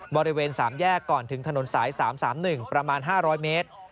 บริเวณ๓แยกก่อนถึงถนนสาย๓๓๑ประมาณ๕๐๐เมตร